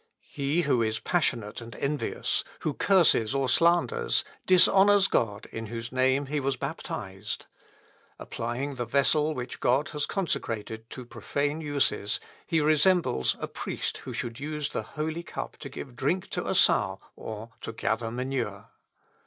_ He who is passionate and envious, who curses or slanders, dishonours God, in whose name he was baptized. Applying the vessel which God has consecrated to profane uses, he resembles a priest who should use the holy cup to give drink to a sow, or to gather manure.